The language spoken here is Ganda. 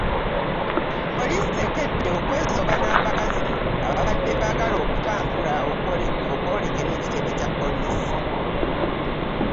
Poliisi ekedde kwezooba n'abakazi ababadde baagala okutambula okwolekera ekitebe Kya poliisi